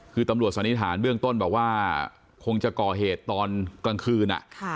คือตำรวจสันนิษฐานเบื้องต้นบอกว่าคงจะก่อเหตุตอนกลางคืน